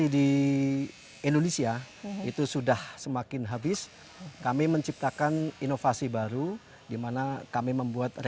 di mana kita masih bisa menemukan volkswagen yang lama